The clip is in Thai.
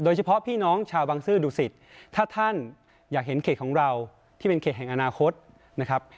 พี่น้องชาวบังซื้อดูสิตถ้าท่านอยากเห็นเขตของเราที่เป็นเขตแห่งอนาคตนะครับ